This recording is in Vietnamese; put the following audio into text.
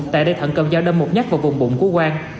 tại đây thần cầm dao đâm một nhắc vào vùng bụng của quang